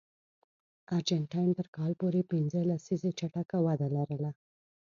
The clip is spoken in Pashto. ارجنټاین تر کال پورې پنځه لسیزې چټکه وده لرله.